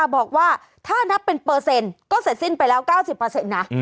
บอกว่าถ้านับเป็นเปอร์เซ็นต์ก็เสร็จสิ้นไปแล้ว๙๐นะ